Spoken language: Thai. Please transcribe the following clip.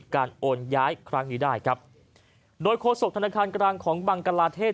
โอนย้ายครั้งนี้ได้ครับโดยโฆษกธนาคารกลางของบังกลาเทศ